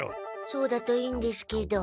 そうだといいんですけど。